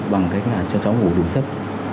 bằng cách là cho cháu ngủ đủ sức